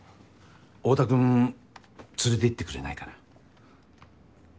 太田君連れて行ってくれないかな？